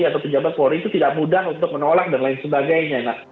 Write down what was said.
atau pejabat polri itu tidak mudah untuk menolak dan lain sebagainya